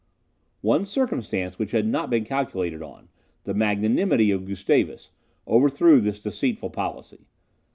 One circumstance which had not been calculated on the magnanimity of Gustavus overthrew this deceitful policy.